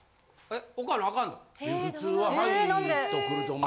えっ？